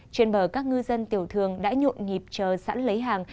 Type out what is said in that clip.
trên bờ các ngư dân tiểu thường đã nhộn nhịp chờ sẵn lấy hàng